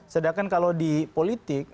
sedangkan kalau di politik